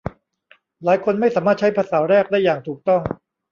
หลายคนไม่สามารถใช้ภาษาแรกได้อย่างถูกต้อง